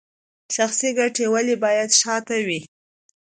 شخصي ګټې ولې باید شاته وي؟